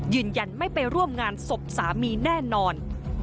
ยืนยันไม่ไปร่วมงานศพสามีแน่นอน